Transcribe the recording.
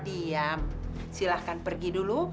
diam silahkan pergi dulu